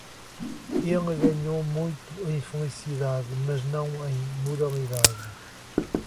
Ele ganhou muito em felicidade, mas não em moralidade.